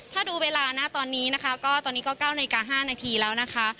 ถ้าดูเวลานะตอนนี้นะคะก็ตอนนี้ก็๙นาฬิกา๕นาทีแล้วนะคะ